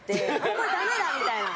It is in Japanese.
これ、だめだみたいな。